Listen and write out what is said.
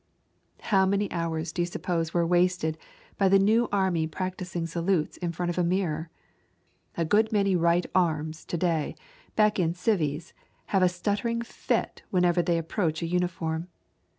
How many hours do you suppose were wasted by the new army practicing salutes in front of a mirror? A good many right arms to day, back in "civies," have a stuttering fit whenever they approach a uniform.